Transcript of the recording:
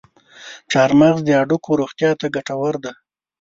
چارمغز د هډوکو روغتیا ته ګټور دی.